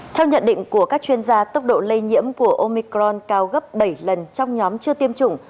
theo nhận định của các chuyên gia tốc độ lây nhiễm của omicron cao gấp bảy lần trong nhóm chưa tiêm chủng